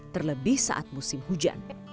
terlebih saat musim hujan